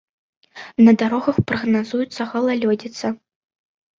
На дарогах прагназуецца галалёдзіца.